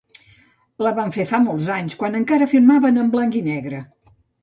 La van fer fa molts anys, quan encara filmaven en blanc i negre.